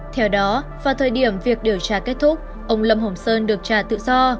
theo đó vào thời điểm việc điều tra kết thúc ông lâm hồng sơn được trả tự do